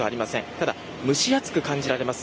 ただ、蒸し暑く感じられます。